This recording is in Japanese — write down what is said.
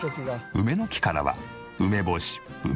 梅の木からは梅干し梅酢梅酒。